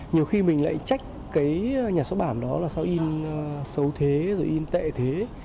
nhiều khi mình lại trách cái nhà xuất bản đó là sau in xấu thế rồi in tệ thế